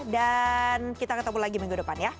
dan kita ketemu lagi minggu depan ya